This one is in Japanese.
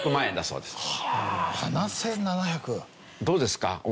どうですか？